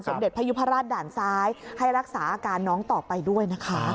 เด็จพยุพราชด่านซ้ายให้รักษาอาการน้องต่อไปด้วยนะคะ